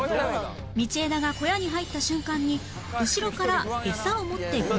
道枝が小屋に入った瞬間に後ろからエサを持って合流する